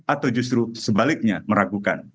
atau justru sebaliknya meragukan